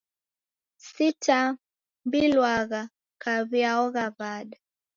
Sitambliwagha kwaw'iaghora w'ada.